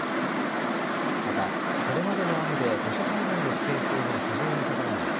またこれまでの雨で土砂災害の危険性が非常に高まり